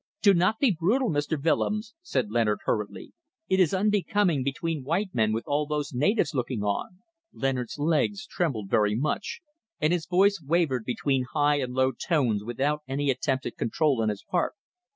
"Do not be brutal, Mr. Willems," said Leonard, hurriedly. "It is unbecoming between white men with all those natives looking on." Leonard's legs trembled very much, and his voice wavered between high and low tones without any attempt at control on his part.